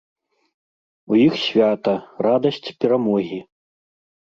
У іх свята, радасць перамогі.